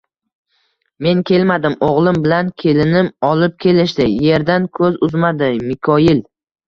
Men kelmadim, o`g`lim bilan kelinim olib kelishdi, erdan ko`z uzmadi Mikoyil